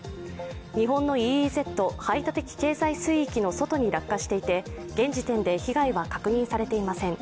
日本のＥＥＺ＝排他的経済水域の外に落下していて現時点で被害は確認されていません。